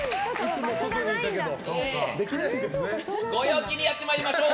ご陽気にやってまいりましょう。